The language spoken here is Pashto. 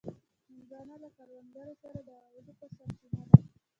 هندوانه له کروندګرو سره د عوایدو سرچینه ده.